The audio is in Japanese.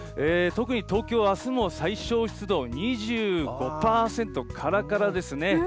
特に東京はあすも最小湿度２５％、からからですね。